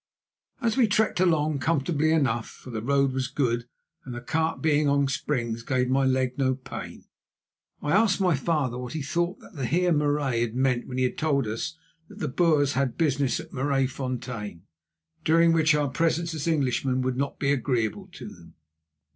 As we trekked along comfortably enough, for the road was good and the cart, being on springs, gave my leg no pain, I asked my father what he thought that the Heer Marais had meant when he told us that the Boers had business at Maraisfontein, during which our presence as Englishmen would not be agreeable to them.